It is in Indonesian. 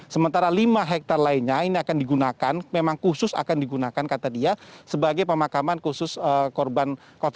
sementara lima hektare lainnya ini akan digunakan memang khusus akan digunakan kata dia sebagai pemakaman khusus korban